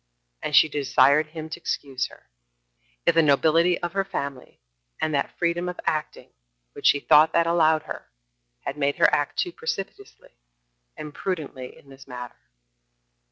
And she desired him to excuse her, if the nobility of her family, and that freedom of acting which she thought that allowed her, had made her act too precipitately and imprudently in this matter.